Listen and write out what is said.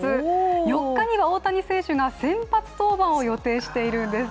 ４日には大谷選手が先発登板を予定しているんです。